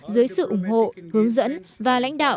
dưới sự ủng hộ hướng dẫn và lãnh đạo